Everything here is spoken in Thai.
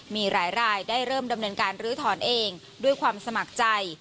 มีหลายรายได้เริ่มดำเนินการลื้อถอนเองด้วยความสมัครใจ